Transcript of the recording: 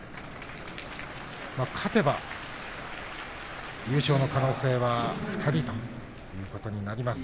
勝てば優勝の可能性は２人ということになります。